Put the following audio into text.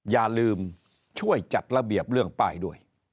อย่าลืมช่วยจัดระเบียบเรื่องป้ายด้วย